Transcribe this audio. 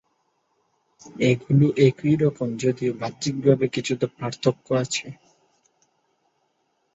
এগুলো একই রকমের যদিও বাহ্যিকভাবে কিছুটা পার্থক্য আছে।